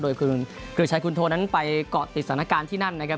โดยคุณเกรกชัยคุณโทนั้นไปเกาะติดสถานการณ์ที่นั่นนะครับ